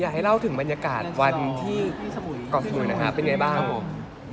อยากให้เล่าถึงบรรยากาศวันที่เกาะสมุยนะครับเป็นยังไงบ้าง